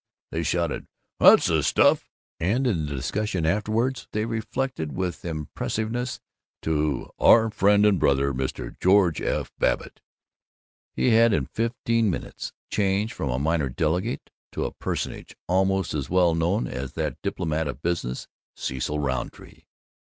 They shouted "That's the stuff!" and in the discussion afterward they referred with impressiveness to "our friend and brother, Mr. George F. Babbitt." He had in fifteen minutes changed from a minor delegate to a personage almost as well known as that diplomat of business, Cecil Rountree.